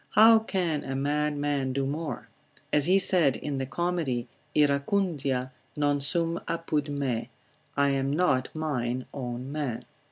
How can a mad man do more? as he said in the comedy, Iracundia non sum apud me, I am not mine own man.